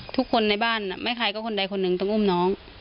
ทุกคนในบ้านไม่ใครก็คนใดคนหนึ่งต้องอุ้มน้อง